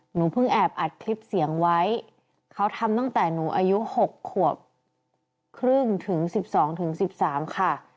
หนูเพิ่งแอบอัดคลิปเสียงไว้เขาทำตั้งแต่หนูอายุ๖ขวบครึ่งถึง๑๒๑๓ค่ะ